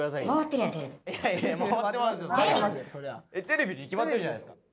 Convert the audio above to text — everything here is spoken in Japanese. テレビに決まってるじゃないですか。